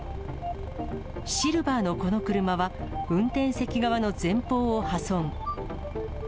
シルバーのこの車は、運転席側の前方を破損。